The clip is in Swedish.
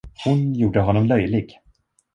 Hon gjorde honom löjlig.